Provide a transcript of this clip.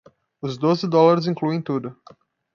Os doze dólares incluem tudo.